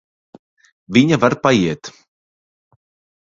Viņa var paiet.